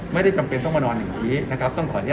อ๋อไม่ได้ต้องมานอนแบบนี้